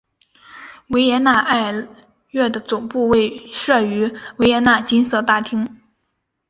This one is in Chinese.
维也纳爱乐的总部设于维也纳金色大厅。